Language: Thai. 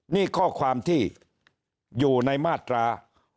นี่ข้อความที่อยู่ในมาตรา